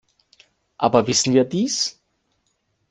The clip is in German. Aber wissen wir dies?